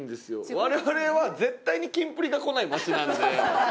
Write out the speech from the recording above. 我々は絶対にキンプリが来ない街なんで。